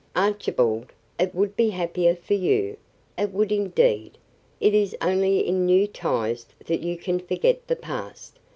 "Archibald, it would be happier for you; it would indeed. It is only in new ties that you can forget the past.